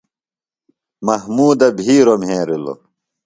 محمودہ بِھیروۡ مھیرِلوۡ۔